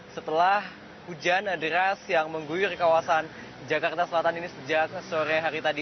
setelah hujan deras yang mengguyur kawasan jakarta selatan ini sejak sore hari tadi